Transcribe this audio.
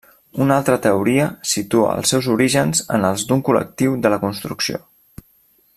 Una altra teoria situa els seus orígens en els d'un col·lectiu de la construcció.